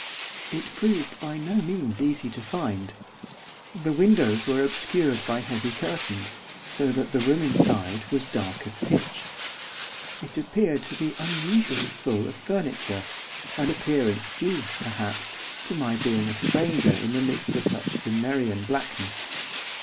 It proved by no means easy to find. The windows were obscured by heavy curtains, so that the room inside was dark as pitch. It appeared to be unusually full of furniture, an appearance due, perhaps, to my being a stranger in the midst of such Cimmerian blackness.